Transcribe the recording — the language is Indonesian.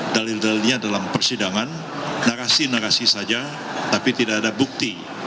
dalil dalilnya dalam persidangan narasi narasi saja tapi tidak ada bukti